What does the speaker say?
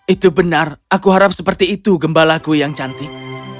itu benar aku harap seperti itu gembalaku yang cantik